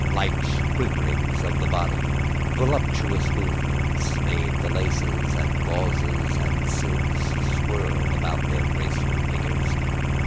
Light quiverings of the body, voluptuous movements, made the laces and gauzes and silks swirl about their graceful figures.